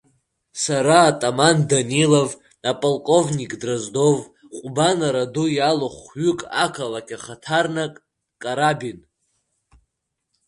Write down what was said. Сара атаман Данилов, аполковник Дроздов, Ҟәбан арада иалоу хә-ҩык, ақалақь ахаҭарнак Карабин…